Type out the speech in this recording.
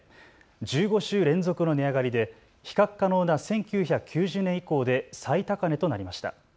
１５週連続の値上がりで比較可能な１９９０年以降で最高値となりました。